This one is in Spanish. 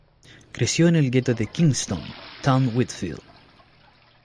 Creció en el ghetto de Kingston Town Whitfield.